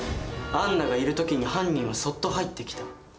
杏奈がいる時に犯人はそっと入ってきた。